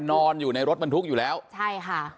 นอนอยู่ในรถบรรทุกอยู่แล้วใช่ค่ะ